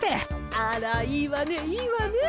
あらいいわねいいわね。